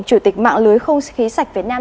chủ tịch mạng lưới không khí sạch việt nam